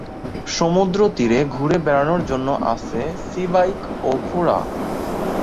সমুদ্র তীরে ঘুরে বেড়ানোর জন্যে আছে সী বাইক ও ঘোড়া।